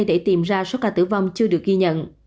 để tìm ra số ca tử vong chưa được ghi nhận